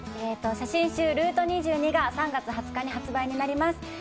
写真集「Ｒ２２」が３月２０日に発売になります。